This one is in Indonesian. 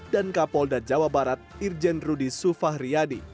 dan kapolda jawa barat irjen rudi sufah riadi